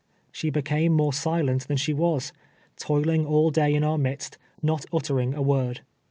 She became more silent than she was, toiling all day in our midst, not uttering a word.